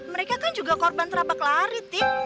mereka kan juga korban terabak lari tik